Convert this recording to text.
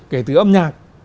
kể từ âm nhạc